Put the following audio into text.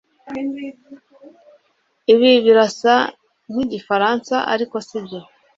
Ibi birasa nkigifaransa ariko sibyo